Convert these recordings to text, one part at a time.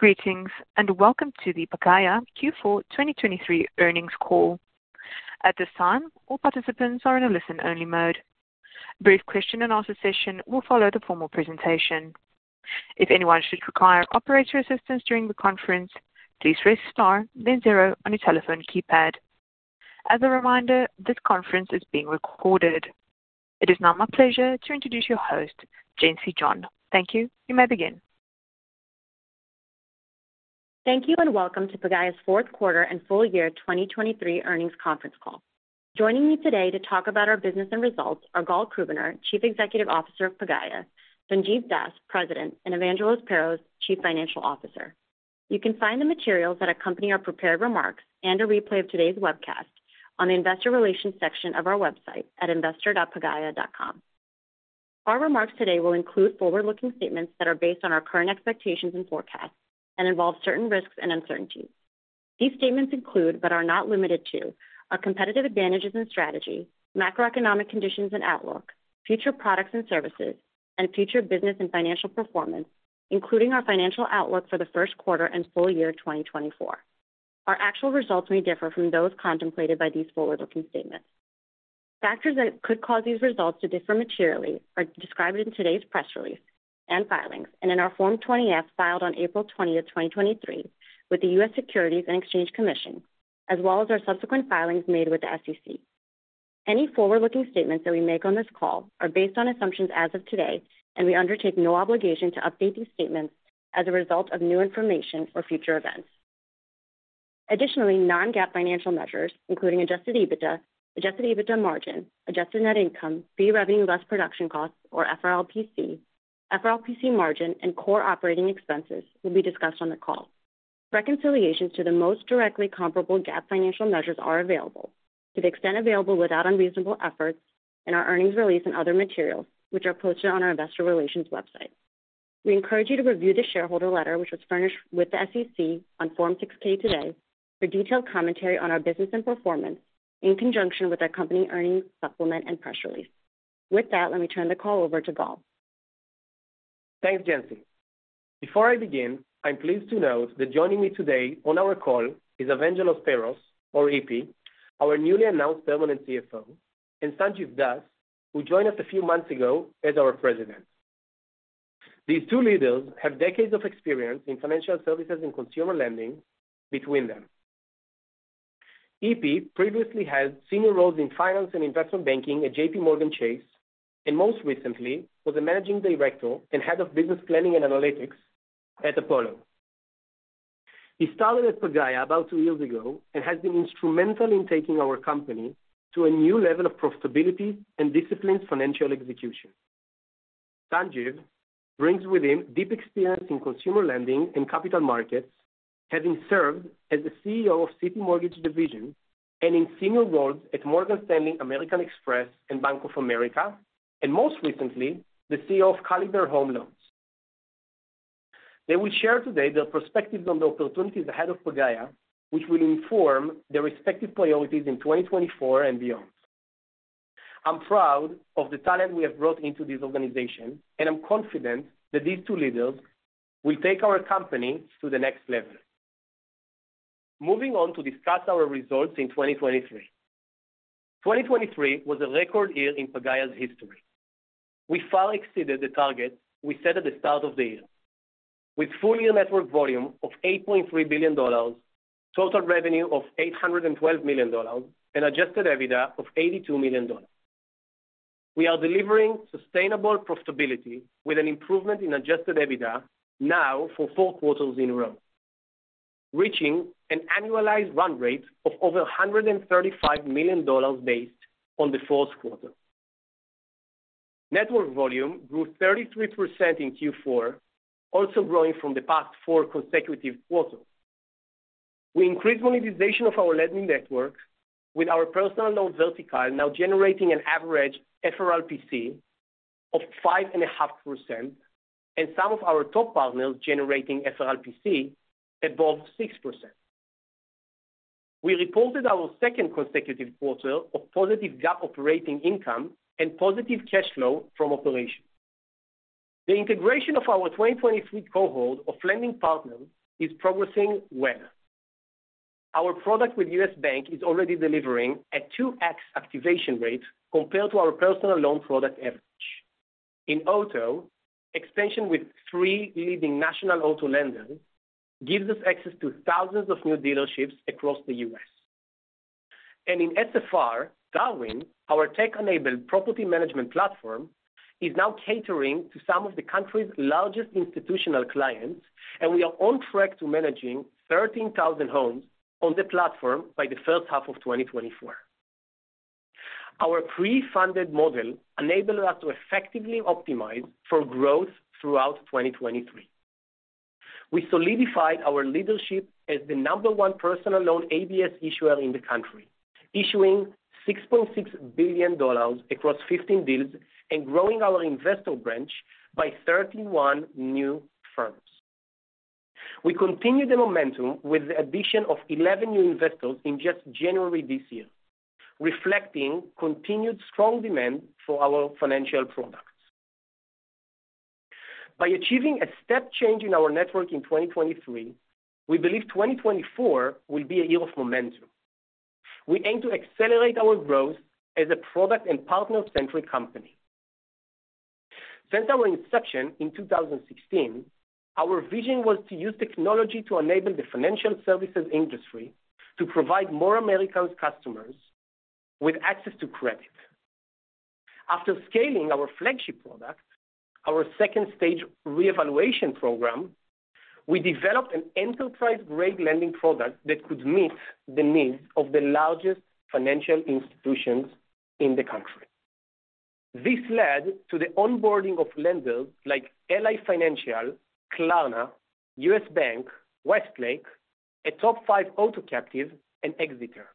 Greetings, and welcome to the Pagaya Q4 2023 earnings call. At this time, all participants are in a listen-only mode. Brief question-and-answer session will follow the formal presentation. If anyone should require operator assistance during the conference, please press star, then zero on your telephone keypad. As a reminder, this conference is being recorded. It is now my pleasure to introduce your host, Jency John. Thank you. You may begin. Thank you and welcome to Pagaya's Q4 and full year 2023 earnings conference call. Joining me today to talk about our business and results are Gal Krubiner, Chief Executive Officer of Pagaya; Sanjiv Das, President; and Evangelos Perros, Chief Financial Officer. You can find the materials that accompany our prepared remarks and a replay of today's webcast on the Investor Relations section of our website at investor.pagaya.com. Our remarks today will include forward-looking statements that are based on our current expectations and forecasts and involve certain risks and uncertainties. These statements include but are not limited to a competitive advantages and strategy, macroeconomic conditions and outlook, future products and services, and future business and financial performance, including our financial outlook for the Q1 and full year 2024. Our actual results may differ from those contemplated by these forward-looking statements. Factors that could cause these results to differ materially are described in today's press release and filings and in our Form 20-F filed on April 20, 2023, with the U.S. Securities and Exchange Commission, as well as our subsequent filings made with the SEC. Any forward-looking statements that we make on this call are based on assumptions as of today, and we undertake no obligation to update these statements as a result of new information or future events. Additionally, non-GAAP financial measures, including Adjusted EBITDA, Adjusted EBITDA Margin, Adjusted Net Income, fee revenue less production costs, or FRLPC, FRLPC Margin, and core operating expenses, will be discussed on the call. Reconciliations to the most directly comparable GAAP financial measures are available, to the extent available without unreasonable efforts, in our earnings release and other materials, which are posted on our Investor Relations website. We encourage you to review the shareholder letter, which was furnished with the SEC on Form 6-K today, for detailed commentary on our business and performance in conjunction with our company earnings supplement and press release. With that, let me turn the call over to Gal. Thanks, Jency. Before I begin, I'm pleased to note that joining me today on our call is Evangelos Perros, or EP, our newly announced permanent CFO, and Sanjiv Das, who joined us a few months ago as our President. These two leaders have decades of experience in financial services and consumer lending between them. EP previously held senior roles in finance and investment banking at JPMorgan Chase and most recently was a Managing Director and Head of Business Planning and Analytics at Apollo. He started at Pagaya about two years ago and has been instrumental in taking our company to a new level of profitability and disciplined financial execution. Sanjiv brings with him deep experience in consumer lending and capital markets, having served as the CEO of CitiMortgage Division and in senior roles at Morgan Stanley, American Express, and Bank of America, and most recently, the CEO of Caliber Home Loans. They will share today their perspectives on the opportunities ahead of Pagaya, which will inform their respective priorities in 2024 and beyond. I'm proud of the talent we have brought into this organization, and I'm confident that these two leaders will take our company to the next level. Moving on to discuss our results in 2023. 2023 was a record year in Pagaya's history. We far exceeded the target we set at the start of the year, with full-year network volume of $8.3 billion, total revenue of $812 million, and Adjusted EBITDA of $82 million. We are delivering sustainable profitability with an improvement in Adjusted EBITDA now for four quarters in a row, reaching an annualized run rate of over $135 million based on the Q4. Network volume grew 33% in Q4, also growing from the past four consecutive quarters. We increased monetization of our lending network, with our personal loan vertical now generating an average FRLPC of 5.5% and some of our top partners generating FRLPC above 6%. We reported our second consecutive quarter of positive GAAP operating income and positive cash flow from operations. The integration of our 2023 cohort of lending partners is progressing well. Our product with U.S. Bank is already delivering a 2x activation rate compared to our personal loan product average. In auto, expansion with three leading national auto lenders gives us access to thousands of new dealerships across the U.S. In SFR, Darwin, our tech-enabled property management platform, is now catering to some of the country's largest institutional clients, and we are on track to managing 13,000 homes on the platform by the H1 of 2024. Our pre-funded model enabled us to effectively optimize for growth throughout 2023. We solidified our leadership as the number one personal loan ABS issuer in the country, issuing $6.6 billion across 15 deals and growing our investor branch by 31 new firms. We continue the momentum with the addition of 11 new investors in just January this year, reflecting continued strong demand for our financial products. By achieving a step change in our network in 2023, we believe 2024 will be a year of momentum. We aim to accelerate our growth as a product and partner-centric company. Since our inception in 2016, our vision was to use technology to enable the financial services industry to provide more American customers with access to credit. After scaling our flagship product, our second-stage reevaluation program, we developed an enterprise-grade lending product that could meet the needs of the largest financial institutions in the country. This led to the onboarding of lenders like Ally Financial, Klarna, U.S. Bank, Westlake, a top five auto captive, and Exeter.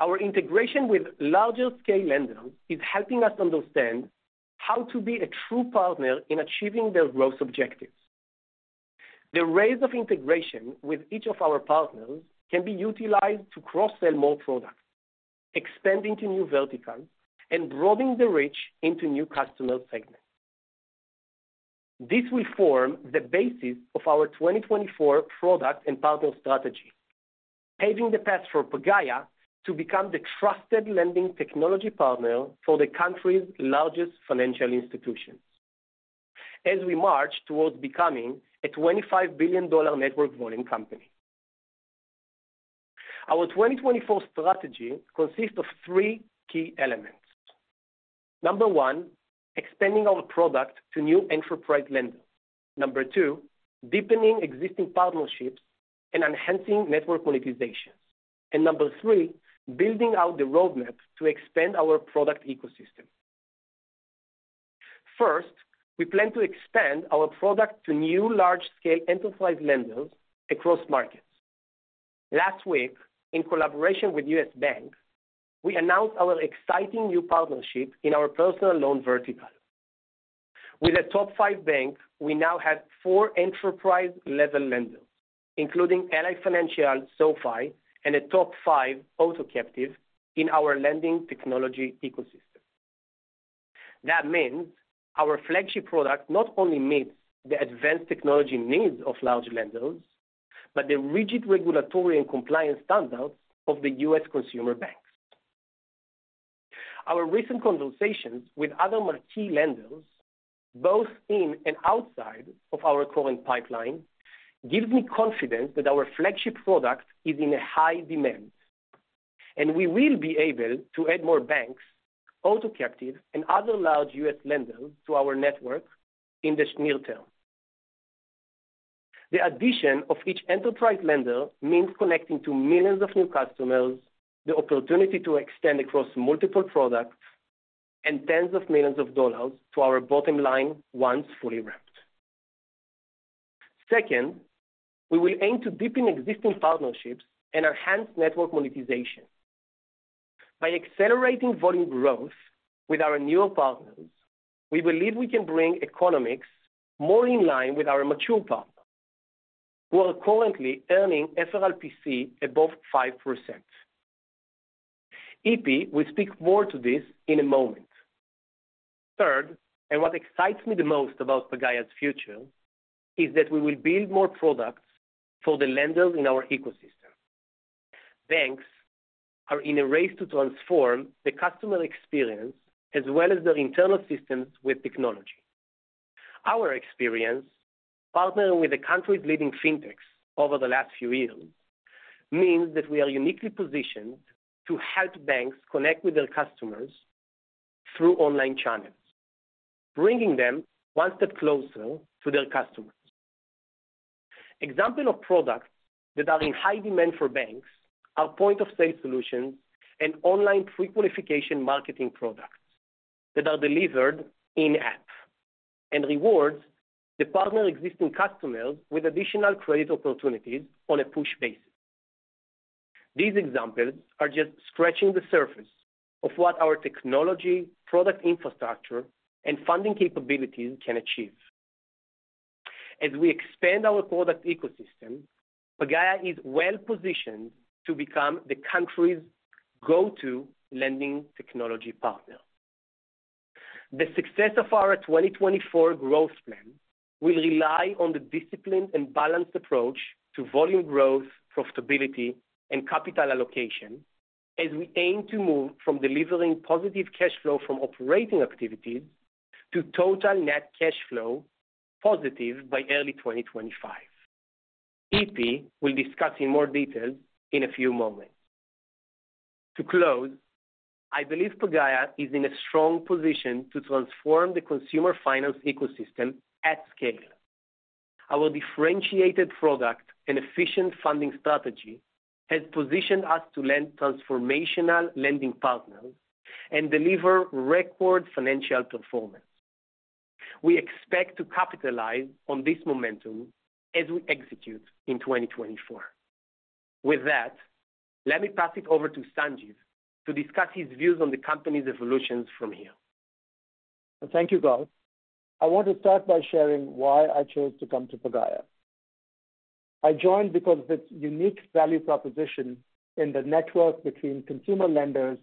Our integration with larger-scale lenders is helping us understand how to be a true partner in achieving their growth objectives. The ease of integration with each of our partners can be utilized to cross-sell more products, expand into new verticals, and broaden the reach into new customer segments. This will form the basis of our 2024 product and partner strategy, paving the path for Pagaya to become the trusted lending technology partner for the country's largest financial institutions as we march towards becoming a $25 billion network volume company. Our 2024 strategy consists of three key elements. Number 1, expanding our product to new enterprise lenders. Number 2, deepening existing partnerships and enhancing network monetizations. And number 3, building out the roadmap to expand our product ecosystem. First, we plan to expand our product to new large-scale enterprise lenders across markets. Last week, in collaboration with U.S. Bank, we announced our exciting new partnership in our personal loan vertical. With a top five bank, we now have 4 enterprise-level lenders, including Ally Financial, SoFi, and a top five auto captive in our lending technology ecosystem. That means our flagship product not only meets the advanced technology needs of large lenders, but the rigid regulatory and compliance standards of the U.S. consumer banks. Our recent conversations with other marquee lenders, both in and outside of our current pipeline, give me confidence that our flagship product is in high demand, and we will be able to add more banks, auto captive, and other large U.S. lenders to our network in the near term. The addition of each enterprise lender means connecting to millions of new customers, the opportunity to extend across multiple products, and $10s of millions to our bottom line once fully ramped. Second, we will aim to deepen existing partnerships and enhance network monetization. By accelerating volume growth with our newer partners, we believe we can bring economics more in line with our mature partners, who are currently earning FRLPC above 5%. EP, we speak more to this in a moment. Third, and what excites me the most about Pagaya's future is that we will build more products for the lenders in our ecosystem. Banks are in a race to transform the customer experience as well as their internal systems with technology. Our experience partnering with the country's leading fintechs over the last few years means that we are uniquely positioned to help banks connect with their customers through online channels, bringing them one step closer to their customers. Examples of products that are in high demand for banks are point-of-sale solutions and online pre-qualification marketing products that are delivered in-app and rewards the partner's existing customers with additional credit opportunities on a push basis. These examples are just scratching the surface of what our technology, product infrastructure, and funding capabilities can achieve. As we expand our product ecosystem, Pagaya is well positioned to become the country's go-to lending technology partner. The success of our 2024 growth plan will rely on the disciplined and balanced approach to volume growth, profitability, and capital allocation as we aim to move from delivering positive cash flow from operating activities to total net cash flow positive by early 2025. EP will discuss in more detail in a few moments. To close, I believe Pagaya is in a strong position to transform the consumer finance ecosystem at scale. Our differentiated product and efficient funding strategy has positioned us to lend transformational lending partners and deliver record financial performance. We expect to capitalize on this momentum as we execute in 2024. With that, let me pass it over to Sanjiv to discuss his views on the company's evolutions from here. Thank you, Gal. I want to start by sharing why I chose to come to Pagaya. I joined because of its unique value proposition in the network between consumer lenders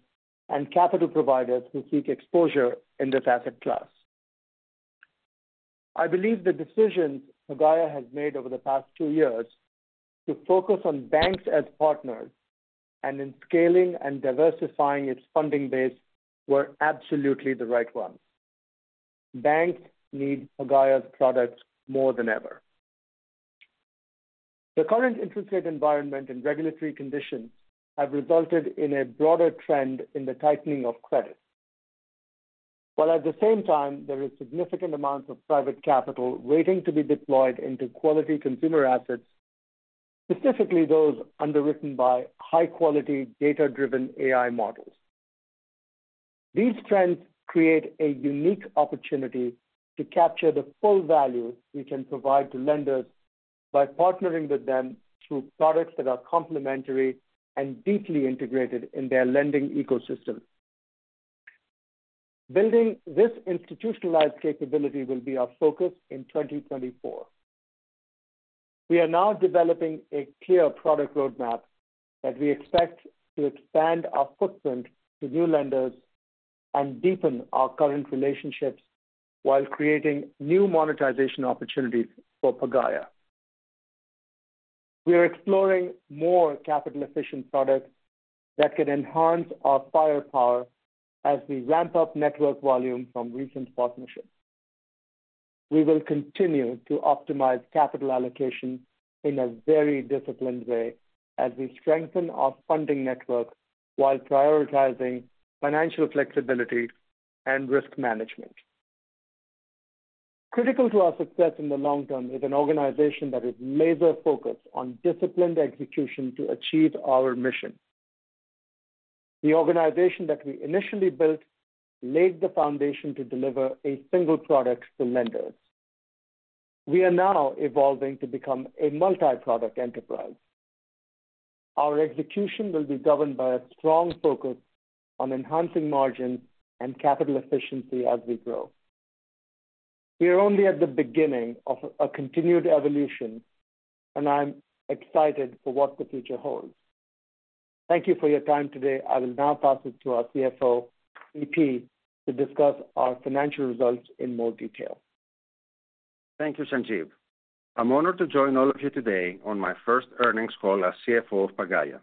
and capital providers who seek exposure in this asset class. I believe the decisions Pagaya has made over the past two years to focus on banks as partners and in scaling and diversifying its funding base were absolutely the right ones. Banks need Pagaya's products more than ever. The current interest rate environment and regulatory conditions have resulted in a broader trend in the tightening of credit. While at the same time, there are significant amounts of private capital waiting to be deployed into quality consumer assets, specifically those underwritten by high-quality, data-driven AI models. These trends create a unique opportunity to capture the full value we can provide to lenders by partnering with them through products that are complementary and deeply integrated in their lending ecosystem. Building this institutionalized capability will be our focus in 2024. We are now developing a clear product roadmap that we expect to expand our footprint to new lenders and deepen our current relationships while creating new monetization opportunities for Pagaya. We are exploring more capital-efficient products that can enhance our firepower as we ramp up network volume from recent partnerships. We will continue to optimize capital allocation in a very disciplined way as we strengthen our funding network while prioritizing financial flexibility and risk management. Critical to our success in the long term is an organization that is laser-focused on disciplined execution to achieve our mission. The organization that we initially built laid the foundation to deliver a single product to lenders. We are now evolving to become a multi-product enterprise. Our execution will be governed by a strong focus on enhancing margins and capital efficiency as we grow. We are only at the beginning of a continued evolution, and I'm excited for what the future holds. Thank you for your time today. I will now pass it to our CFO, EP, to discuss our financial results in more detail. Thank you, Sanjiv. I'm honored to join all of you today on my first earnings call as CFO of Pagaya.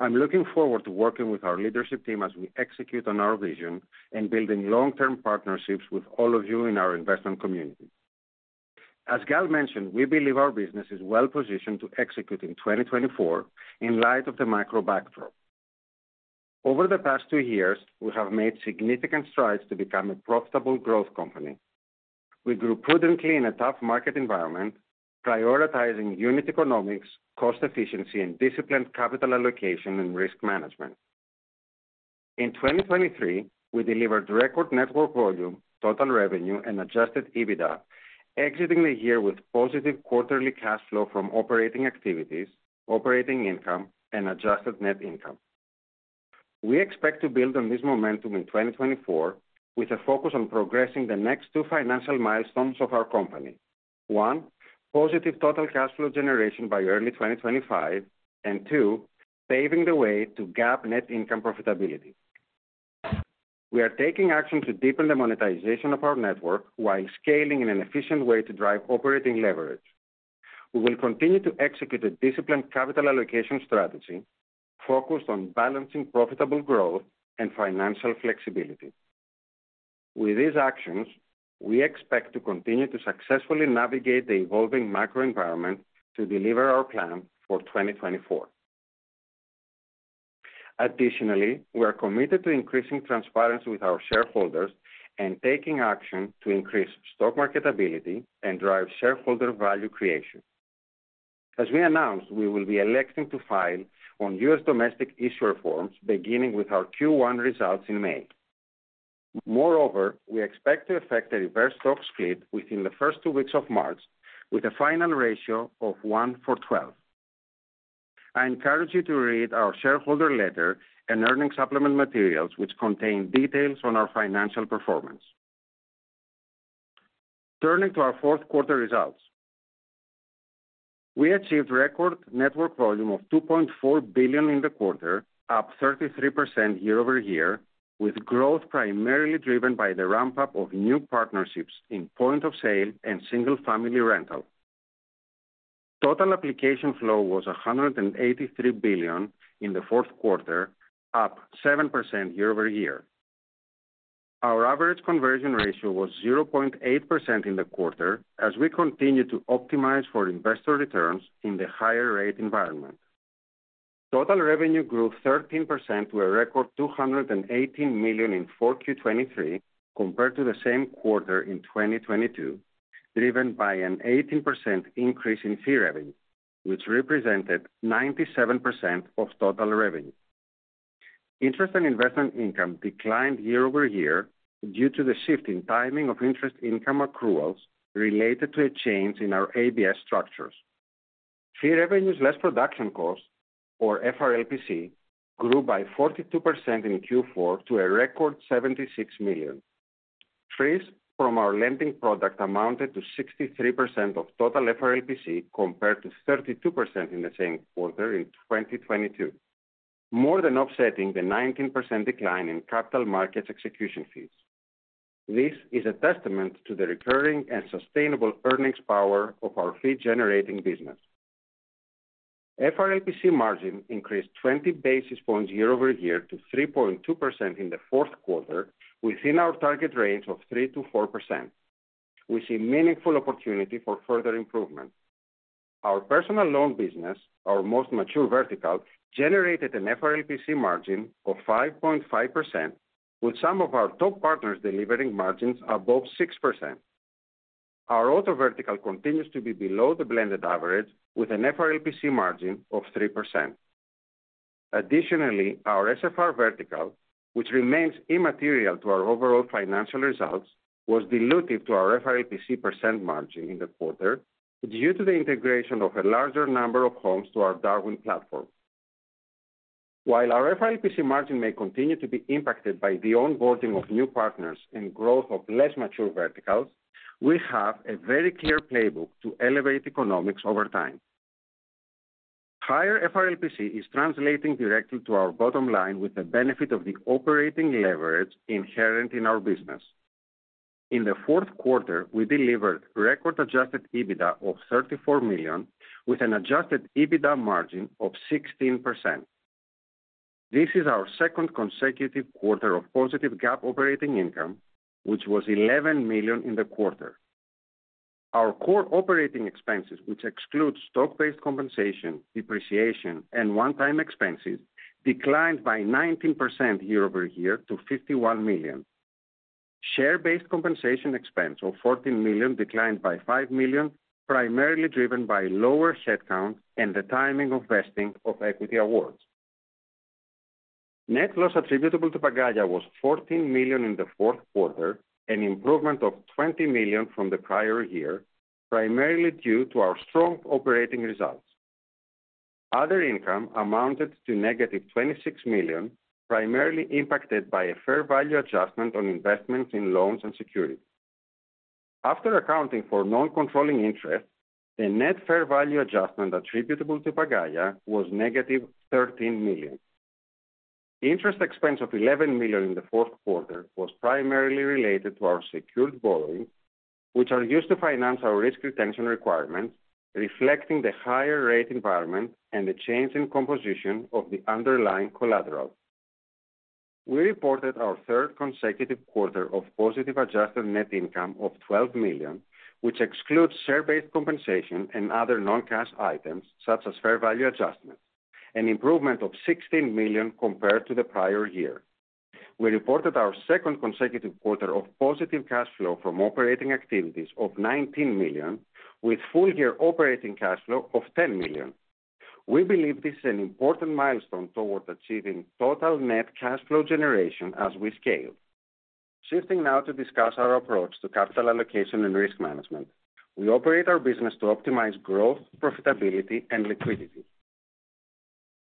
I'm looking forward to working with our leadership team as we execute on our vision and building long-term partnerships with all of you in our investment community. As Gal mentioned, we believe our business is well positioned to execute in 2024 in light of the macro backdrop. Over the past two years, we have made significant strides to become a profitable growth company. We grew prudently in a tough market environment, prioritizing unit economics, cost efficiency, and disciplined capital allocation and risk management. In 2023, we delivered record network volume, total revenue, and Adjusted EBITDA, exiting the year with positive quarterly cash flow from operating activities, operating income, and adjusted net income. We expect to build on this momentum in 2024 with a focus on progressing the next two financial milestones of our company: one, positive total cash flow generation by early 2025; and two, paving the way to GAAP net income profitability. We are taking action to deepen the monetization of our network while scaling in an efficient way to drive operating leverage. We will continue to execute a disciplined capital allocation strategy focused on balancing profitable growth and financial flexibility. With these actions, we expect to continue to successfully navigate the evolving macro environment to deliver our plan for 2024. Additionally, we are committed to increasing transparency with our shareholders and taking action to increase stock marketability and drive shareholder value creation. As we announced, we will be electing to file on U.S. domestic issuer forms, beginning with our Q1 results in May. Moreover, we expect to effect a reverse stock split within the first two weeks of March with a final ratio of 1:12. I encourage you to read our shareholder letter and earnings supplement materials, which contain details on our financial performance. Turning to our Q4 results, we achieved record network volume of $2.4 billion in the quarter, up 33% quarter-over-quarter, with growth primarily driven by the ramp-up of new partnerships in point-of-sale and single-family rental. Total application flow was $183 billion in the Q4, up 7% quarter-over-quarter. Our average conversion ratio was 0.8% in the quarter as we continue to optimize for investor returns in the higher-rate environment. Total revenue grew 13% to a record $218 million in 4Q23 compared to the same quarter in 2022, driven by an 18% increase in fee revenue, which represented 97% of total revenue. Interest and investment income declined quarter-over-quarter due to the shift in timing of interest income accruals related to a change in our ABS structures. Fee revenues less production costs, or FRLPC, grew by 42% in Q4 to a record $76 million. Fees from our lending product amounted to 63% of total FRLPC compared to 32% in the same quarter in 2022, more than offsetting the 19% decline in capital markets execution fees. This is a testament to the recurring and sustainable earnings power of our fee-generating business. FRLPC margin increased 20 basis points quarter-over-quarter to 3.2% in the Q4, within our target range of 3%-4%. We see meaningful opportunity for further improvement. Our personal loan business, our most mature vertical, generated an FRLPC margin of 5.5%, with some of our top partners delivering margins above 6%+. Our auto vertical continues to be below the blended average, with an FRLPC margin of 3%. Additionally, our SFR vertical, which remains immaterial to our overall financial results, was diluted to our FRLPC percent margin in the quarter due to the integration of a larger number of homes to our Darwin platform. While our FRLPC margin may continue to be impacted by the onboarding of new partners and growth of less mature verticals, we have a very clear playbook to elevate economics over time. Higher FRLPC is translating directly to our bottom line with the benefit of the operating leverage inherent in our business. In the Q4, we delivered record-adjusted EBITDA of $34 million, with an adjusted EBITDA margin of 16%. This is our second consecutive quarter of positive GAAP operating income, which was $11 million in the quarter. Our Core Operating Expenses, which exclude stock-based compensation, depreciation, and one-time expenses, declined by 19% quarter-over-quarter to $51 million. Share-based compensation expense, or $14 million, declined by $5 million, primarily driven by lower headcount and the timing of vesting of equity awards. Net loss attributable to Pagaya was $14 million in the Q4, an improvement of $20 million from the prior year, primarily due to our strong operating results. Other income amounted to negative $26 million, primarily impacted by a fair value adjustment on investments in loans and securities. After accounting for non-controlling interest, the net fair value adjustment attributable to Pagaya was negative $13 million. Interest expense of $11 million in the Q4 was primarily related to our secured borrowing, which are used to finance our Risk Retention requirements, reflecting the higher-rate environment and the change in composition of the underlying collateral. We reported our third consecutive quarter of positive Adjusted Net Income of $12 million, which excludes share-based compensation and other non-cash items such as fair value adjustments, an improvement of $16 million compared to the prior year. We reported our second consecutive quarter of positive cash flow from operating activities of $19 million, with full-year operating cash flow of $10 million. We believe this is an important milestone toward achieving total net cash flow generation as we scale. Shifting now to discuss our approach to capital allocation and risk management, we operate our business to optimize growth, profitability, and liquidity.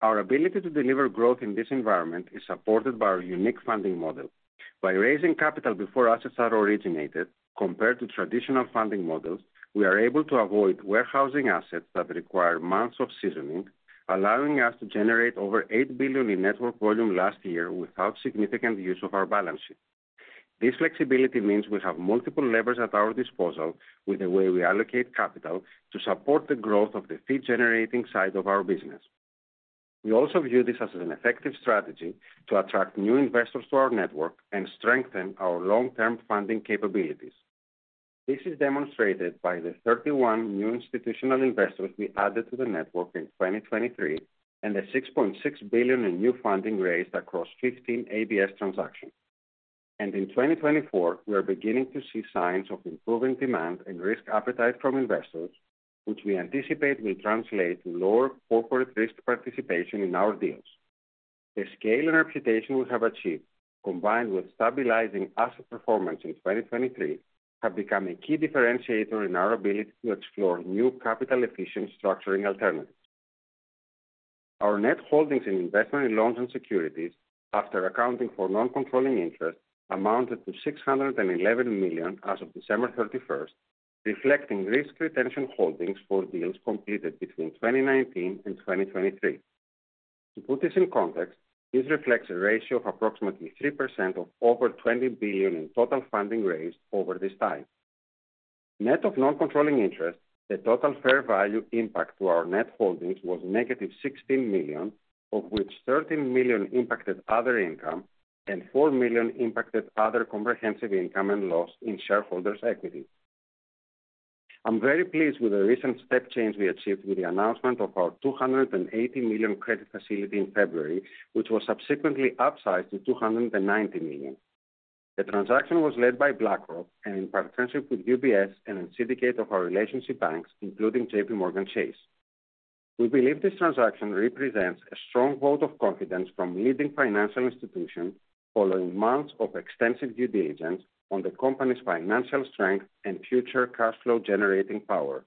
Our ability to deliver growth in this environment is supported by our unique funding model. By raising capital before assets are originated compared to traditional funding models, we are able to avoid warehousing assets that require months of seasoning, allowing us to generate over $8 billion in network volume last year without significant use of our balance sheet. This flexibility means we have multiple levers at our disposal with the way we allocate capital to support the growth of the fee-generating side of our business. We also view this as an effective strategy to attract new investors to our network and strengthen our long-term funding capabilities. This is demonstrated by the 31 new institutional investors we added to the network in 2023 and the $6.6 billion in new funding raised across 15 ABS transactions. In 2024, we are beginning to see signs of improving demand and risk appetite from investors, which we anticipate will translate to lower corporate risk participation in our deals. The scale and reputation we have achieved, combined with stabilizing asset performance in 2023, have become a key differentiator in our ability to explore new capital-efficient structuring alternatives. Our net holdings in investment in loans and securities, after accounting for non-controlling interest, amounted to $611 million as of December 31st, reflecting risk retention holdings for deals completed between 2019 and 2023. To put this in context, this reflects a ratio of approximately 3% of over $20 billion in total funding raised over this time. Net of non-controlling interest, the total fair value impact to our net holdings was negative $16 million, of which $13 million impacted other income and $4 million impacted other comprehensive income and loss in shareholders' equity. I'm very pleased with the recent step change we achieved with the announcement of our $280 million credit facility in February, which was subsequently upsized to $290 million. The transaction was led by BlackRock and in partnership with UBS and a syndicate of our relationship banks, including JPMorgan Chase. We believe this transaction represents a strong vote of confidence from leading financial institutions following months of extensive due diligence on the company's financial strength and future cash flow generating power.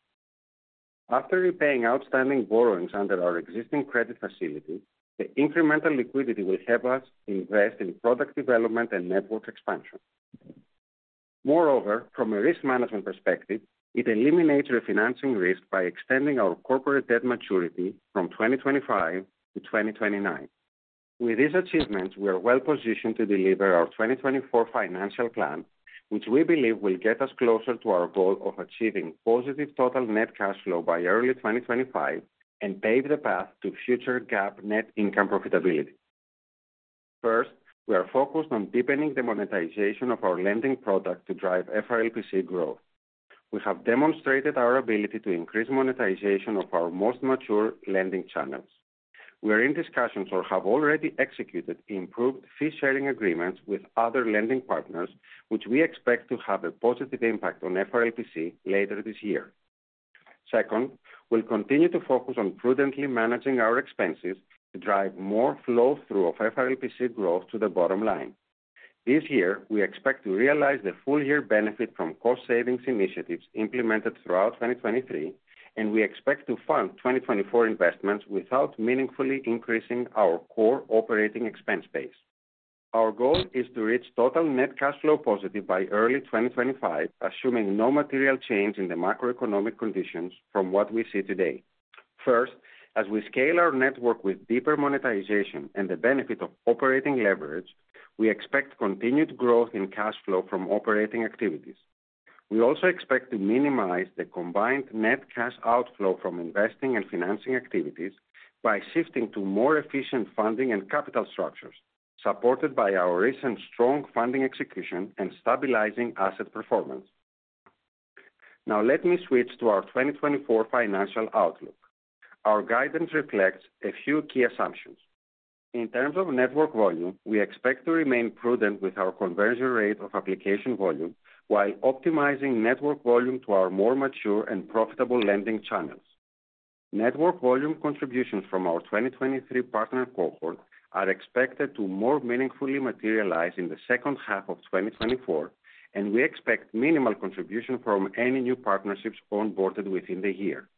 After repaying outstanding borrowings under our existing credit facility, the incremental liquidity will help us invest in product development and network expansion. Moreover, from a risk management perspective, it eliminates refinancing risk by extending our corporate debt maturity from 2025 to 2029. With these achievements, we are well positioned to deliver our 2024 financial plan, which we believe will get us closer to our goal of achieving positive total net cash flow by early 2025 and pave the path to future GAAP net income profitability. First, we are focused on deepening the monetization of our lending product to drive FRLPC growth. We have demonstrated our ability to increase monetization of our most mature lending channels. We are in discussions or have already executed improved fee-sharing agreements with other lending partners, which we expect to have a positive impact on FRLPC later this year. Second, we'll continue to focus on prudently managing our expenses to drive more flow-through of FRLPC growth to the bottom line. This year, we expect to realize the full-year benefit from cost-savings initiatives implemented throughout 2023, and we expect to fund 2024 investments without meaningfully increasing our core operating expense base. Our goal is to reach total net cash flow positive by early 2025, assuming no material change in the macroeconomic conditions from what we see today. First, as we scale our network with deeper monetization and the benefit of operating leverage, we expect continued growth in cash flow from operating activities. We also expect to minimize the combined net cash outflow from investing and financing activities by shifting to more efficient funding and capital structures, supported by our recent strong funding execution and stabilizing asset performance. Now, let me switch to our 2024 financial outlook. Our guidance reflects a few key assumptions. In terms of network volume, we expect to remain prudent with our conversion rate of application volume while optimizing network volume to our more mature and profitable lending channels. Network volume contributions from our 2023 partner cohort are expected to more meaningfully materialize in the H1 of 2024, and we expect minimal contribution from any new partnerships onboarded within the year.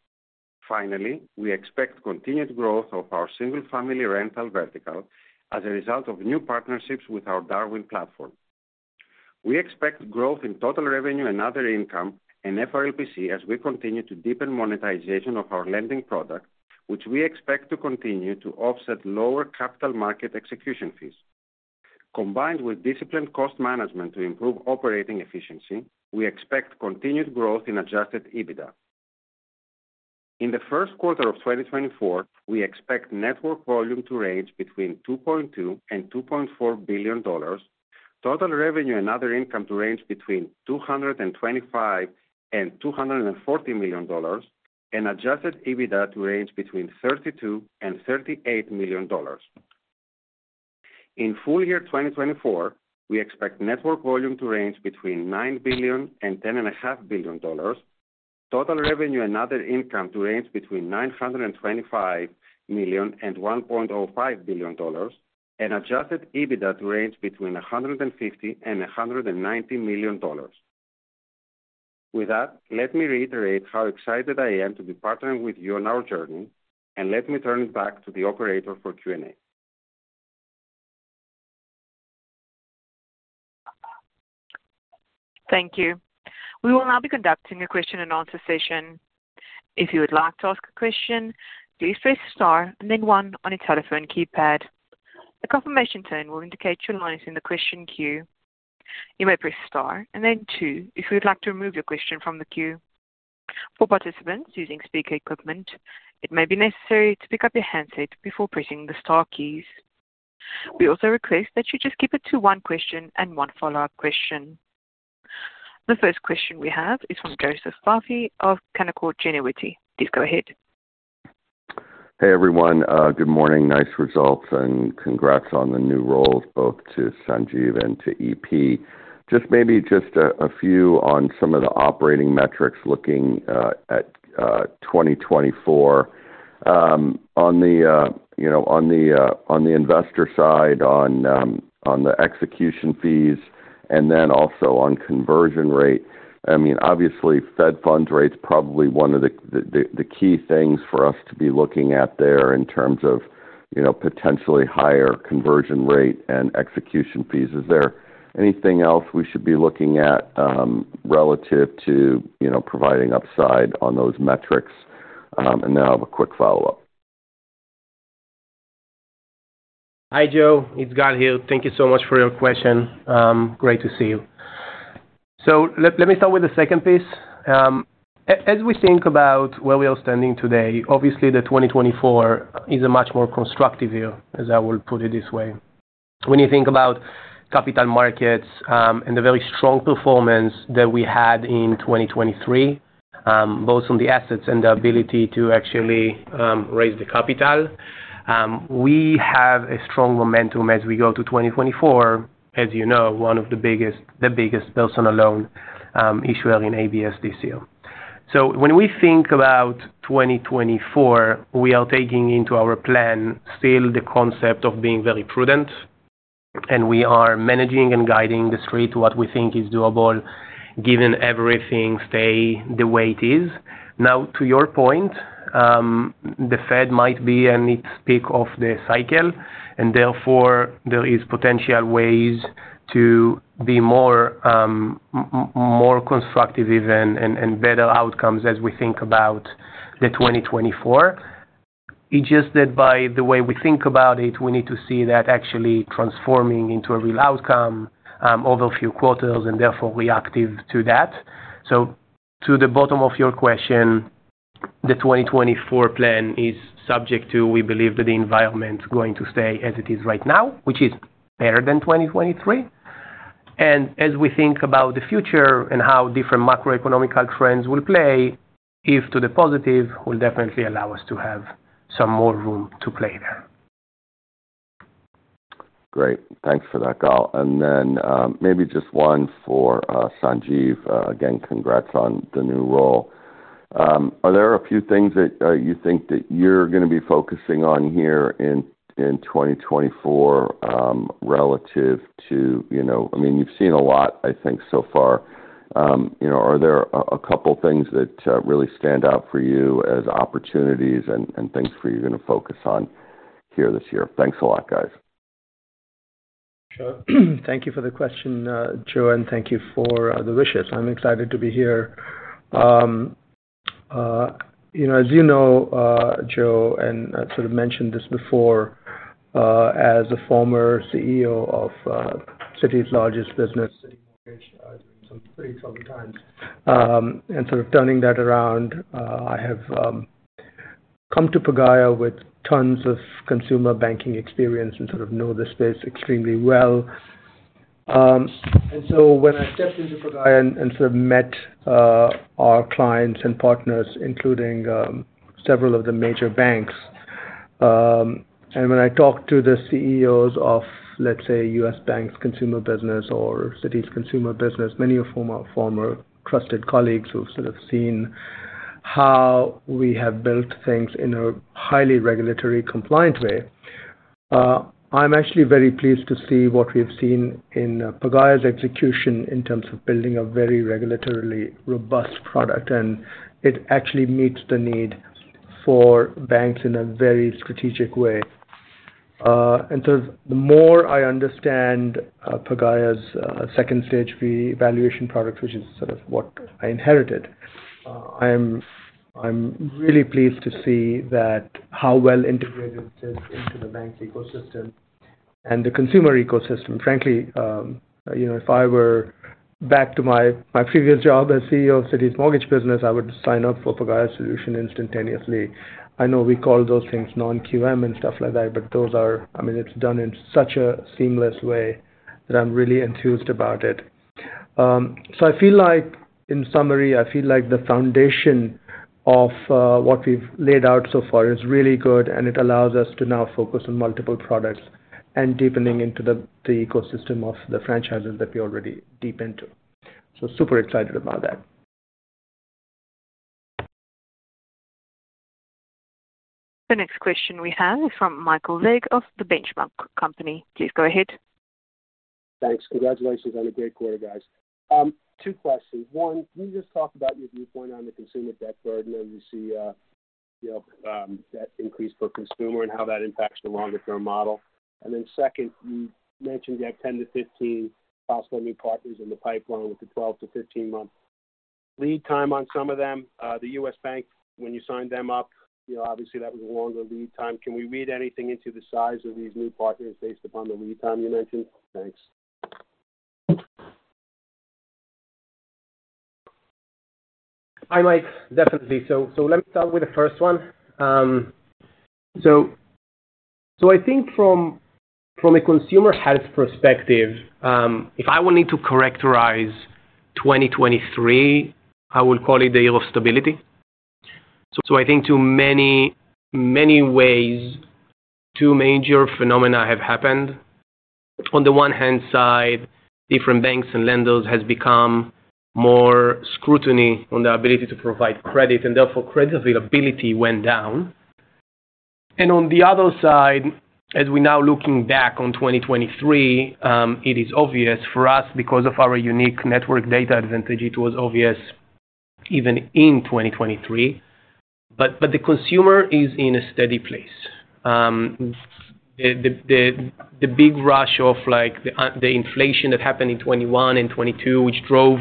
Finally, we expect continued growth of our single-family rental vertical as a result of new partnerships with our Darwin platform. We expect growth in total revenue and other income and FRLPC as we continue to deepen monetization of our lending product, which we expect to continue to offset lower capital market execution fees. Combined with disciplined cost management to improve operating efficiency, we expect continued growth in Adjusted EBITDA. In the Q1 of 2024, we expect network volume to range between $2.2 billion and $2.4 billion, total revenue and other income to range between $225 million and $240 million, and Adjusted EBITDA to range between $32 million and $38 million. In full year 2024, we expect network volume to range between $9 billion-$10.5 billion, total revenue and other income to range between $925 million-$1.05 billion, and Adjusted EBITDA to range between $150 million-$190 million. With that, let me reiterate how excited I am to be partnering with you on our journey, and let me turn it back to the operator for Q&A. Thank you. We will now be conducting a question-and-answer session. If you would like to ask a question, please press star and then one on your telephone keypad. The confirmation tone will indicate your line is in the question queue. You may press star and then two if you would like to remove your question from the queue. For participants using speaker equipment, it may be necessary to pick up your handset before pressing the star keys. We also request that you just keep it to one question and one follow-up question. The first question we have is from Joseph Vafi of Canaccord Genuity. Please go ahead. Hey, everyone. Good morning. Nice results and congrats on the new roles, both to Sanjiv and to EP. Just maybe a few on some of the operating metrics looking at 2024. On the investor side, on the execution fees, and then also on conversion rate, I mean, obviously, Fed funds rate's probably one of the key things for us to be looking at there in terms of potentially higher conversion rate and execution fees. Is there anything else we should be looking at relative to providing upside on those metrics? And now I have a quick follow-up. Hi, Joe. It's Gal here. Thank you so much for your question. Great to see you. So let me start with the second piece. As we think about where we are standing today, obviously, the 2024 is a much more constructive year, as I will put it this way. When you think about capital markets and the very strong performance that we had in 2023, both on the assets and the ability to actually raise the capital, we have a strong momentum as we go to 2024, as you know, one of the biggest personal loan issuers in ABS this year. So when we think about 2024, we are taking into our plan still the concept of being very prudent, and we are managing and guiding the street to what we think is doable given everything stay the way it is. Now, to your point, the Fed might be in its peak of the cycle, and therefore, there are potential ways to be more constructive even and better outcomes as we think about the 2024. It's just that by the way we think about it, we need to see that actually transforming into a real outcome over a few quarters and therefore reactive to that. So to the bottom of your question, the 2024 plan is subject to, we believe, the environment going to stay as it is right now, which is better than 2023. And as we think about the future and how different macroeconomic trends will play, if to the positive, will definitely allow us to have some more room to play there. Great. Thanks for that, Gal. And then maybe just one for Sanjiv. Again, congrats on the new role. Are there a few things that you think that you're going to be focusing on here in 2024 relative to I mean, you've seen a lot, I think, so far. Are there a couple of things that really stand out for you as opportunities and things for you to focus on here this year? Thanks a lot, guys. Sure. Thank you for the question, Joe, and thank you for the wishes. I'm excited to be here. As you know, Joe, and I sort of mentioned this before, as a former CEO of Citi's largest business, Citi Mortgage, during some pretty troubled times. Sort of turning that around, I have come to Pagaya with tons of consumer banking experience and sort of know the space extremely well. When I stepped into Pagaya and sort of met our clients and partners, including several of the major banks, and when I talked to the CEOs of, let's say, U.S. Bank's consumer business or Citi's consumer business, many of whom are former trusted colleagues who've sort of seen how we have built things in a highly regulatorily compliant way, I'm actually very pleased to see what we've seen in Pagaya's execution in terms of building a very regulatorily robust product, and it actually meets the need for banks in a very strategic way. Sort of the more I understand Pagaya's second-stage valuation products, which is sort of what I inherited, I'm really pleased to see how well integrated this is into the bank's ecosystem and the consumer ecosystem. Frankly, if I were back to my previous job as CEO of Citigroup's mortgage business, I would sign up for Pagaya solution instantaneously. I know we call those things non-QM and stuff like that, but those are, I mean, it's done in such a seamless way that I'm really enthused about it. So I feel like, in summary, I feel like the foundation of what we've laid out so far is really good, and it allows us to now focus on multiple products and deepening into the ecosystem of the franchises that we already deep into. So super excited about that. The next question we have is from Michael Legg of The Benchmark Company. Please go ahead. Thanks. Congratulations on a great quarter, guys. Two questions. One, can you just talk about your viewpoint on the consumer debt burden as you see that increase per consumer and how that impacts the longer-term model? And then second, you mentioned you have 10-15 possible new partners in the pipeline with the 12-15-month lead time on some of them. The U.S. Bank, when you signed them up, obviously, that was a longer lead time. Can we read anything into the size of these new partners based upon the lead time you mentioned? Thanks. Hi, Mike. Definitely. So let me start with the first one. So I think from a consumer health perspective, if I need to characterize 2023, I will call it the year of stability. I think in many, many ways, two major phenomena have happened. On the one hand side, different banks and lenders have become more scrutinous on the ability to provide credit, and therefore, credit availability went down. And on the other side, as we now looking back on 2023, it is obvious for us, because of our unique network data advantage, it was obvious even in 2023, but the consumer is in a steady place. The big rush of the inflation that happened in 2021 and 2022, which drove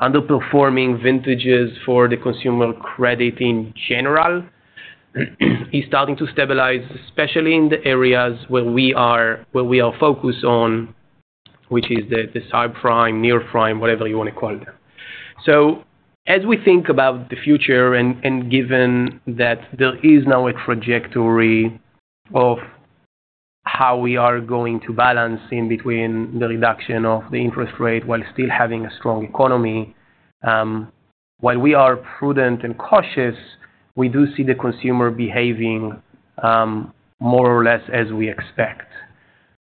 underperforming vintages for the consumer credit in general, is starting to stabilize, especially in the areas where we are focused on, which is the subprime, nearprime, whatever you want to call them. So as we think about the future, and given that there is now a trajectory of how we are going to balance in between the reduction of the interest rate while still having a strong economy, while we are prudent and cautious, we do see the consumer behaving more or less as we expect.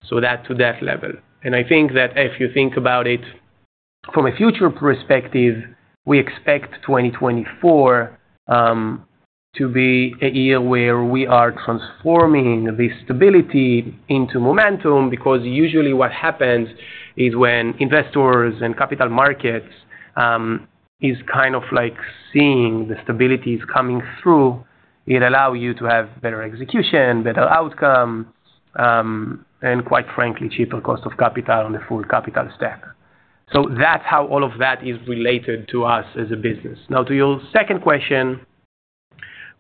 So that to that level. I think that if you think about it from a future perspective, we expect 2024 to be a year where we are transforming this stability into momentum because usually what happens is when investors and capital markets are kind of seeing the stability is coming through, it allows you to have better execution, better outcome, and quite frankly, cheaper cost of capital on the full capital stack. So that's how all of that is related to us as a business. Now, to your second question,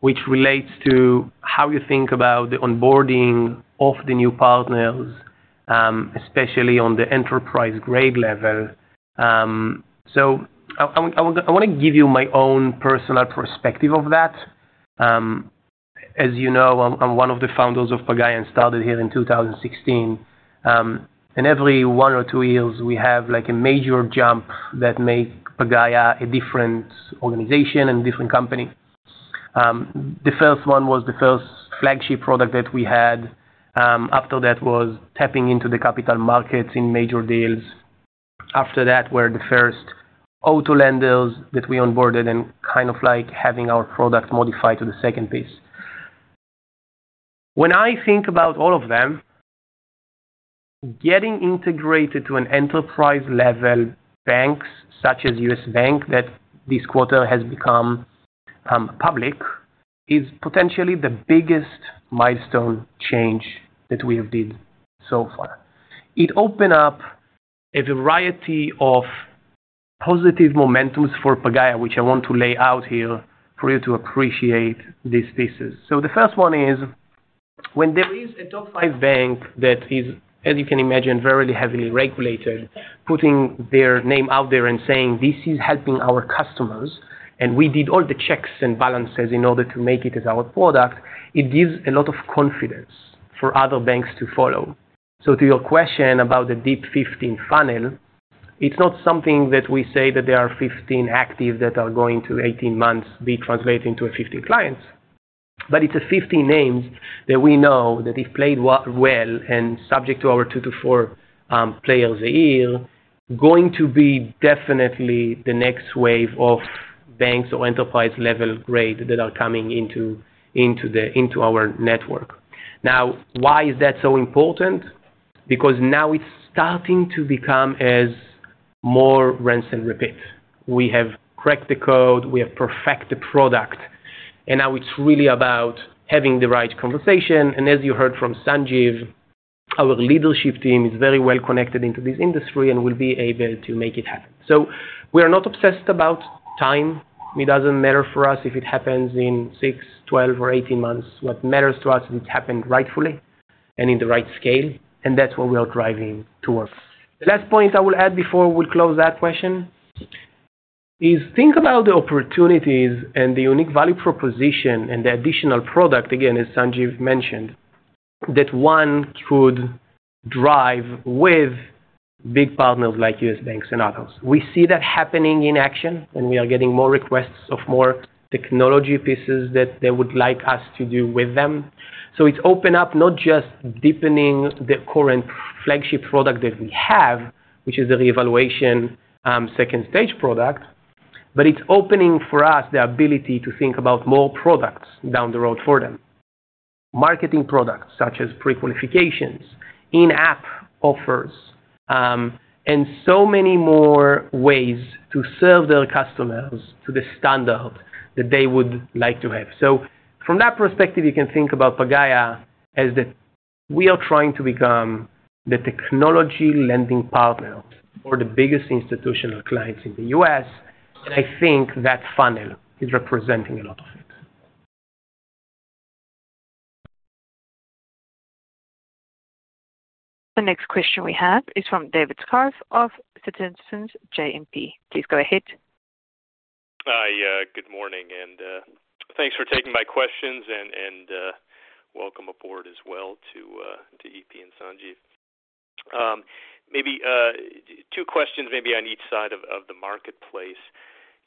which relates to how you think about the onboarding of the new partners, especially on the enterprise-grade level, so I want to give you my own personal perspective of that. As you know, I'm one of the founders of Pagaya and started here in 2016. Every one or two years, we have a major jump that makes Pagaya a different organization and a different company. The first one was the first flagship product that we had. After that was tapping into the capital markets in major deals. After that were the first auto lenders that we onboarded and kind of having our product modified to the second piece. When I think about all of them, getting integrated to an enterprise-level bank such as U.S. Bank that this quarter has become public is potentially the biggest milestone change that we have did so far. It opened up a variety of positive momentums for Pagaya, which I want to lay out here for you to appreciate these pieces. So the first one is when there is a top five bank that is, as you can imagine, very heavily regulated, putting their name out there and saying, "This is helping our customers, and we did all the checks and balances in order to make it as our product," it gives a lot of confidence for other banks to follow. So to your question about the deep 15 funnel, it's not something that we say that there are 15 active that are going to 18 months be translated into 15 clients, but it's 15 names that we know that if played well and subject to our 2-4 players a year, going to be definitely the next wave of banks or enterprise-level grade that are coming into our network. Now, why is that so important? Because now it's starting to become more rinse and repeat. We have cracked the code. We have perfected the product. Now it's really about having the right conversation. As you heard from Sanjiv, our leadership team is very well connected into this industry and will be able to make it happen. We are not obsessed about time. It doesn't matter for us if it happens in 6, 12, or 18 months. What matters to us is it happened rightfully and in the right scale, and that's what we are driving towards. The last point I will add before we close that question is think about the opportunities and the unique value proposition and the additional product, again, as Sanjiv mentioned, that one could drive with big partners like U.S. Bank and others. We see that happening in action, and we are getting more requests of more technology pieces that they would like us to do with them. So it's opened up not just deepening the current flagship product that we have, which is the reevaluation second-stage product, but it's opening for us the ability to think about more products down the road for them, marketing products such as pre-qualifications, in-app offers, and so many more ways to serve their customers to the standard that they would like to have. So from that perspective, you can think about Pagaya as that we are trying to become the technology lending partner for the biggest institutional clients in the U.S. And I think that funnel is representing a lot of it. The next question we have is from David Scharf of Citizens JMP. Please go ahead. Hi. Good morning. Thanks for taking my questions, and welcome aboard as well to EP and Sanjiv. Two questions maybe on each side of the marketplace.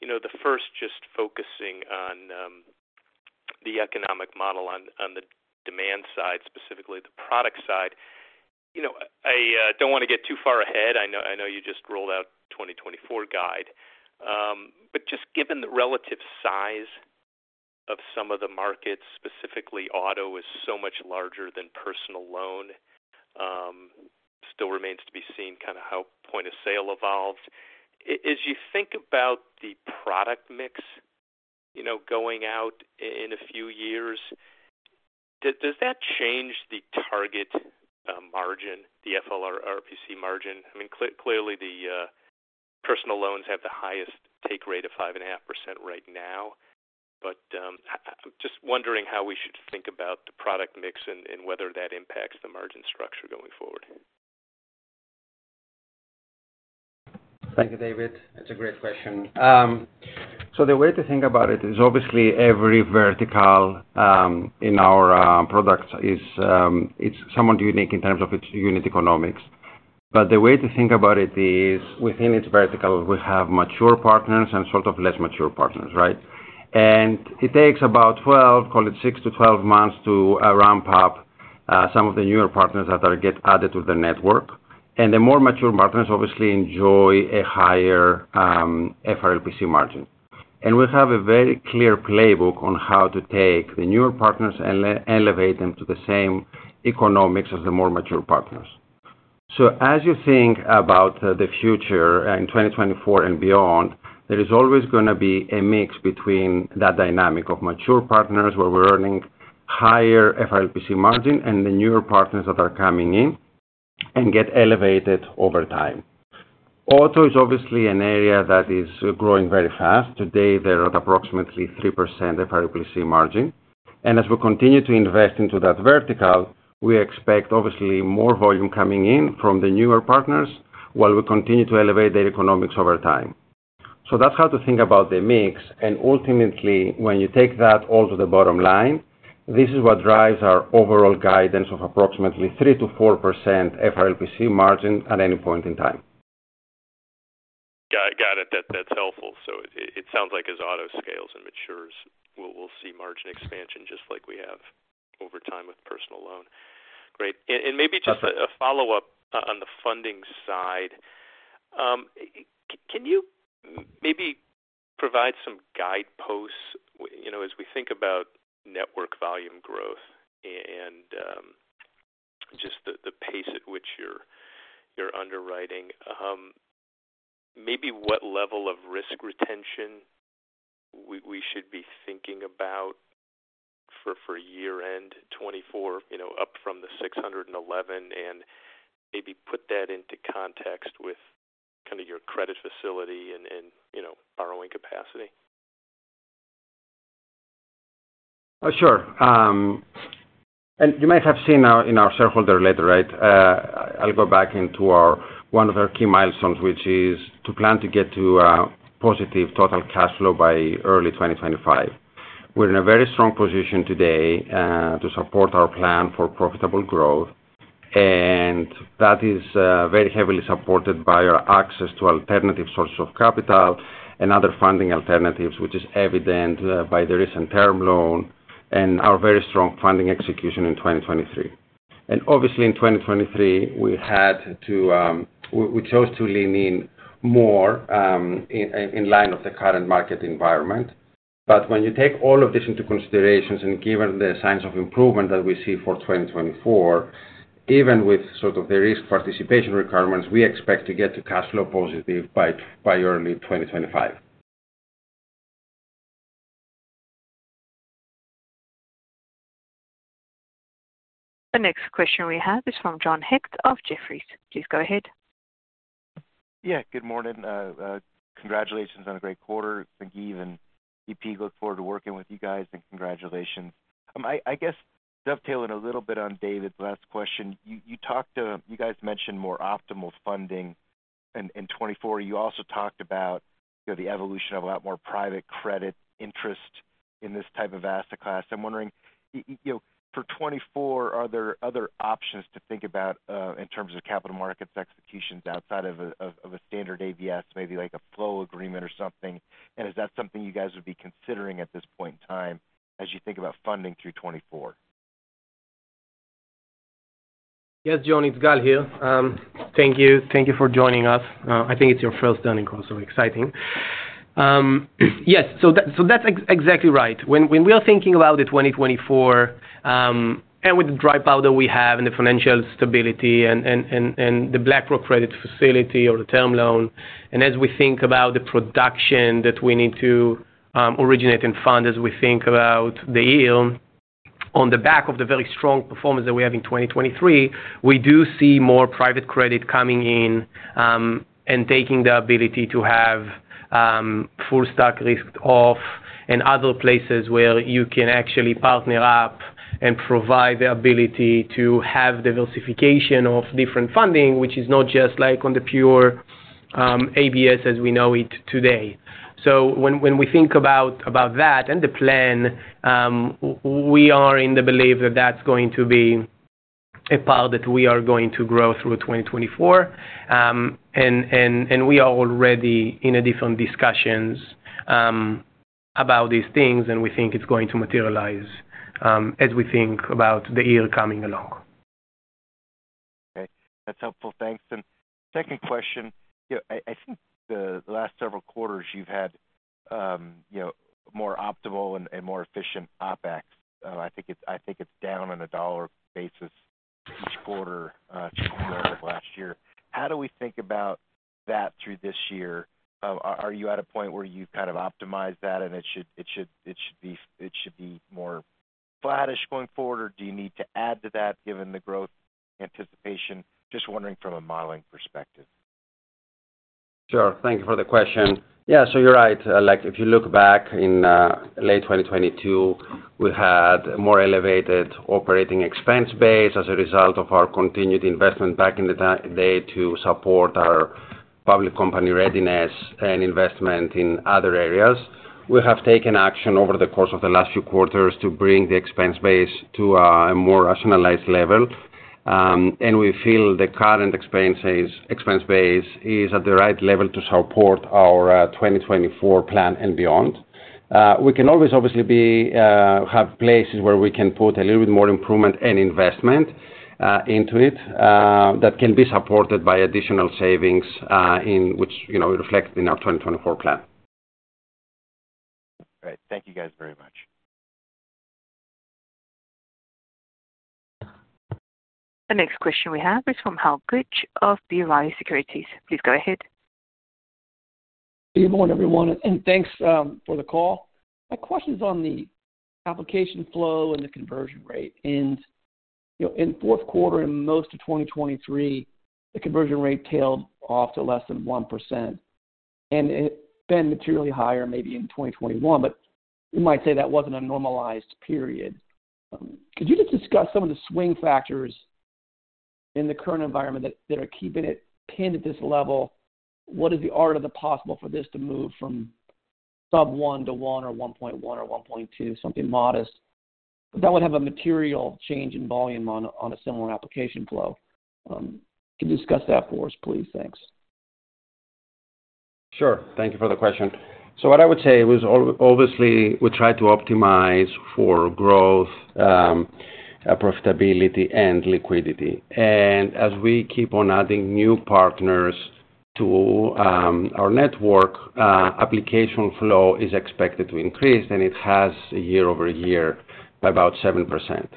The first just focusing on the economic model, on the demand side, specifically the product side. I don't want to get too far ahead. I know you just rolled out 2024 guide. Just given the relative size of some of the markets, specifically auto is so much larger than personal loan, still remains to be seen kind of how point of sale evolved. As you think about the product mix going out in a few years, does that change the target margin, the FRLPC margin? I mean, clearly, the personal loans have the highest take rate of 5.5% right now, but I'm just wondering how we should think about the product mix and whether that impacts the margin structure going forward. Thank you, David. It's a great question. So the way to think about it is obviously, every vertical in our products, it's somewhat unique in terms of its unit economics. But the way to think about it is within its vertical, we have mature partners and sort of less mature partners, right? And it takes about 12, call it 6-12 months to ramp up some of the newer partners that get added to the network. And the more mature partners, obviously, enjoy a higher FRLPC margin. And we have a very clear playbook on how to take the newer partners and elevate them to the same economics as the more mature partners. So as you think about the future in 2024 and beyond, there is always going to be a mix between that dynamic of mature partners where we're earning higher FRLPC margin and the newer partners that are coming in and get elevated over time. Auto is obviously an area that is growing very fast. Today, there are approximately 3% FRLPC margin. And as we continue to invest into that vertical, we expect, obviously, more volume coming in from the newer partners while we continue to elevate their economics over time. So that's how to think about the mix. And ultimately, when you take that all to the bottom line, this is what drives our overall guidance of approximately 3%-4% FRLPC margin at any point in time. Got it. That's helpful. So it sounds like as auto scales and matures, we'll see margin expansion just like we have over time with personal loan. Great. And maybe just a follow-up on the funding side, can you maybe provide some guideposts as we think about network volume growth and just the pace at which you're underwriting? Maybe what level of risk retention we should be thinking about for year-end 2024 up from the 611 and maybe put that into context with kind of your credit facility and borrowing capacity? Sure. And you might have seen in our shareholder letter, right? I'll go back into one of our key milestones, which is to plan to get to positive total cash flow by early 2025. We're in a very strong position today to support our plan for profitable growth. And that is very heavily supported by our access to alternative sources of capital and other funding alternatives, which is evident by the recent term loan and our very strong funding execution in 2023. And obviously, in 2023, we chose to lean in more in line of the current market environment. But when you take all of this into consideration and given the signs of improvement that we see for 2024, even with sort of the risk participation requirements, we expect to get to cash flow positive by early 2025. The next question we have is from John Hecht of Jefferies. Please go ahead. Yeah. Good morning. Congratulations on a great quarter. Thank you. And EP, look forward to working with you guys, and congratulations. I guess dovetailing a little bit on David's last question, you guys mentioned more optimal funding in 2024. You also talked about the evolution of a lot more private credit interest in this type of asset class. I'm wondering, for 2024, are there other options to think about in terms of capital markets executions outside of a standard ABS, maybe a flow agreement or something? And is that something you guys would be considering at this point in time as you think about funding through 2024? Yes, John. It's Gal here. Thank you. Thank you for joining us. I think it's your first earnings call, so exciting. Yes. So that's exactly right. When we are thinking about the 2024 and with the dry powder we have and the financial stability and the BlackRock credit facility or the term loan, and as we think about the production that we need to originate and fund as we think about the year, on the back of the very strong performance that we have in 2023, we do see more private credit coming in and taking the ability to have full stock risk off and other places where you can actually partner up and provide the ability to have diversification of different funding, which is not just on the pure ABS as we know it today. When we think about that and the plan, we are in the belief that that's going to be a part that we are going to grow through 2024. We are already in different discussions about these things, and we think it's going to materialize as we think about the year coming along. Okay. That's helpful. Thanks. And second question, I think the last several quarters, you've had more optimal and more efficient OpEx. I think it's down on a dollar basis each quarter over the last year. How do we think about that through this year? Are you at a point where you've kind of optimized that, and it should be more flat-ish going forward, or do you need to add to that given the growth anticipation? Just wondering from a modeling perspective. Sure. Thank you for the question. Yeah. So you're right. If you look back in late 2022, we had a more elevated operating expense base as a result of our continued investment back in the day to support our public company readiness and investment in other areas. We have taken action over the course of the last few quarters to bring the expense base to a more rationalized level. We feel the current expense base is at the right level to support our 2024 plan and beyond. We can always, obviously, have places where we can put a little bit more improvement and investment into it that can be supported by additional savings which reflect in our 2024 plan. Great. Thank you guys very much. The next question we have is from Hal Goetsch of B. Riley Securities. Please go ahead. Good morning, everyone, and thanks for the call. My question is on the application flow and the conversion rate. In Q4 and most of 2023, the conversion rate tailed off to less than 1% and it's been materially higher maybe in 2021, but we might say that wasn't a normalized period. Could you just discuss some of the swing factors in the current environment that are keeping it pinned at this level? What is the art of the possible for this to move from sub-1 to 1 or 1.1 or 1.2, something modest, but that would have a material change in volume on a similar application flow? Can you discuss that for us, please? Thanks. Sure. Thank you for the question. So what I would say is obviously, we try to optimize for growth, profitability, and liquidity. And as we keep on adding new partners to our network, application flow is expected to increase, and it has quarter-over-quarter by about 7%.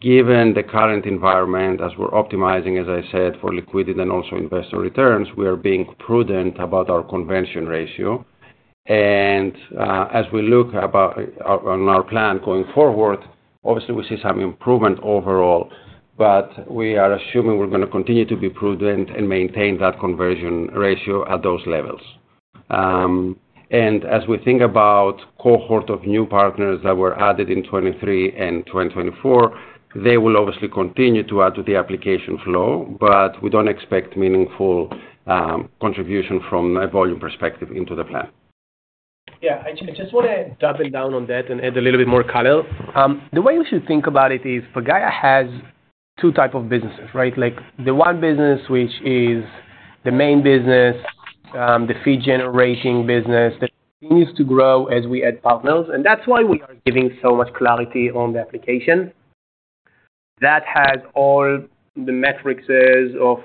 Given the current environment, as we're optimizing, as I said, for liquidity and also investor returns, we are being prudent about our conversion ratio. And as we look on our plan going forward, obviously, we see some improvement overall, but we are assuming we're going to continue to be prudent and maintain that conversion ratio at those levels. And as we think about the cohort of new partners that were added in 2023 and 2024, they will obviously continue to add to the application flow, but we don't expect meaningful contribution from a volume perspective into the plan. Yeah. I just want to double down on that and add a little bit more color. The way we should think about it is Pagaya has two types of businesses, right? The one business, which is the main business, the fee-generating business that continues to grow as we add partners. And that's why we are giving so much clarity on the application. That has all the metrics of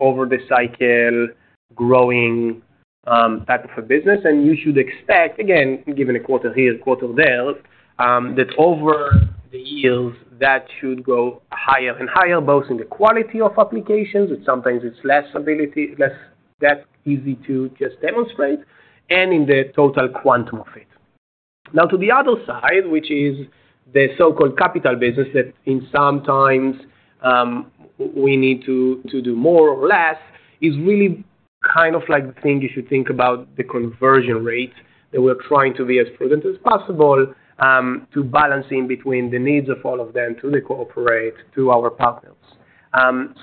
over-the-cycle growing type of a business. And you should expect, again, given a quarter here, quarter there, that over the years, that should go higher and higher, both in the quality of applications. Sometimes it's less easy to just demonstrate and in the total quantum of it. Now, to the other side, which is the so-called capital business that sometimes we need to do more or less, is really kind of the thing you should think about, the conversion rate, that we're trying to be as prudent as possible to balance in between the needs of all of them to cooperate to our partners.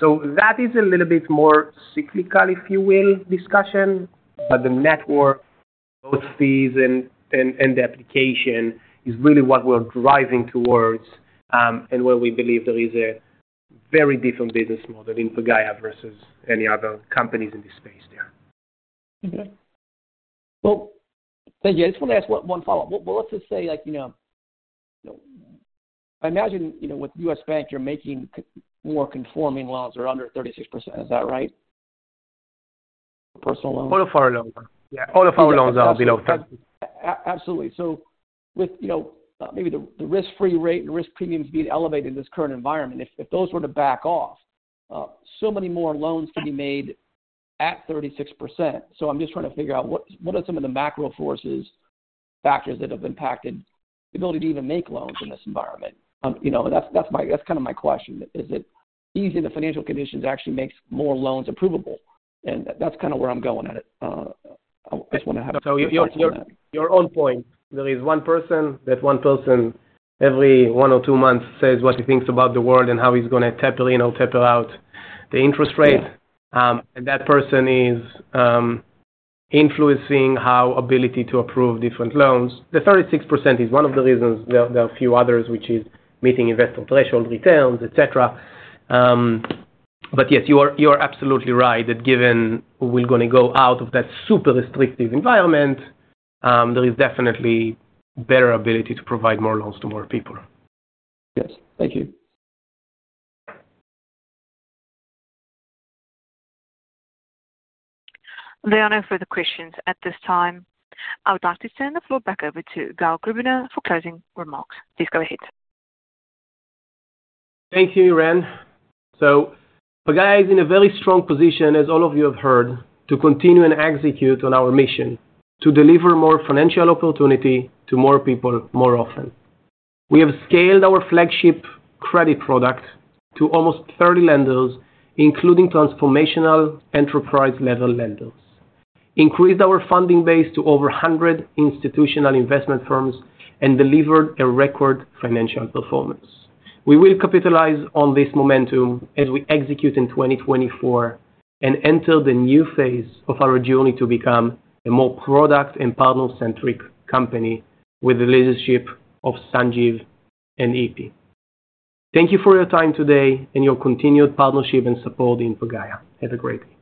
So that is a little bit more cyclical, if you will, discussion. But the network, both fees and the application, is really what we're driving towards and where we believe there is a very different business model in Pagaya versus any other companies in this space there. Well, thank you. I just want to ask one follow-up. Well, let's just say I imagine with U.S. Bank, you're making more conforming loans that are under 36%. Is that right? Personal loans? All of our loans. Yeah. All of our loans are below 36%. Absolutely. So maybe the risk-free rate and risk premiums being elevated in this current environment, if those were to back off, so many more loans can be made at 36%. So I'm just trying to figure out what are some of the macro forces, factors that have impacted the ability to even make loans in this environment? That's kind of my question. Is it easing in the financial conditions actually makes more loans approvable? And that's kind of where I'm going at it. I just want to have a quick answer. So, to your point, there is one person that every one or two months says what he thinks about the world and how he's going to taper in or taper out the interest rate. That person is influencing our ability to approve different loans. The 36% is one of the reasons. There are a few others, which is meeting investor threshold returns, etc. Yes, you are absolutely right that, given we're going to go out of that super restrictive environment, there is definitely a better ability to provide more loans to more people. Yes. Thank you. There are no further questions at this time. I would like to turn the floor back over to Gal Krubiner for closing remarks. Please go ahead. Thank you, Miran. Pagaya is in a very strong position, as all of you have heard, to continue and execute on our mission to deliver more financial opportunity to more people more often. We have scaled our flagship credit product to almost 30 lenders, including transformational enterprise-level lenders, increased our funding base to over 100 institutional investment firms, and delivered a record financial performance. We will capitalize on this momentum as we execute in 2024 and enter the new phase of our journey to become a more product and partner-centric company with the leadership of Sanjiv and EP. Thank you for your time today and your continued partnership and support in Pagaya. Have a great day.